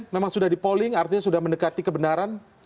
memang sudah dipolling artinya sudah mendekati kebenaran